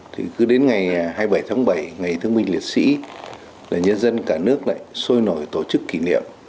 thì cứ đến ngày hai mươi bảy tháng bảy ngày thương minh liệt sĩ là nhân dân cả nước lại sôi nổi tổ chức kỷ niệm